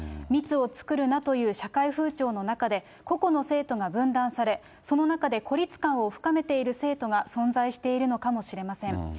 密を作るなという社会風潮の中で、個々の生徒が分断され、その中で孤立感を深めている生徒が存在しているのかもしれません。